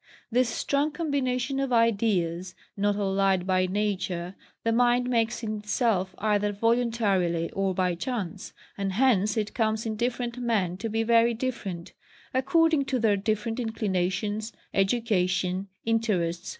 This strong combination of ideas, not allied by nature, the mind makes in itself either voluntarily or by chance; and hence it comes in different men to be very different, according to their different inclinations, education, interests, &c.